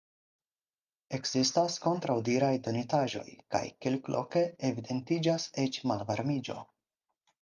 Ekzistas kontraŭdiraj donitaĵoj, kaj kelkloke evidentiĝas eĉ malvarmiĝo.